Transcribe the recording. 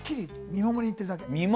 見守りに行ってるだけ。